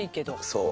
そう。